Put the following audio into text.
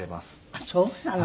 あっそうなの。